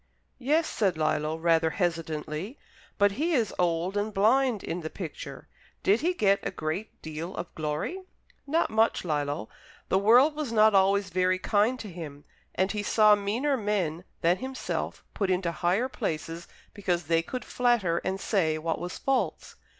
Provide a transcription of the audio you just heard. "Yes," said Lillo, rather hesitatingly. "But he is old and blind in the picture. Did he get a great deal of glory?" "Not much, Lillo. The world was not always very kind to him, and he saw meaner men than himself put into higher places because they could flatter and say what was false.